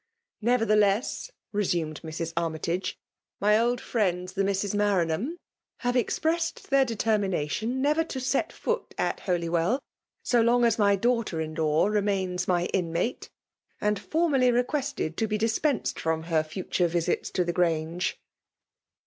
" Nevertheless/' resumed Mrs. Armytagie; my old friends, the Misses Maranham/have es{Mres8ed their determination never to set foot at Holywell so long as my daughter^n law remains my inmate; and formaUy re quested to be dispensed from her future vibits to the Grange.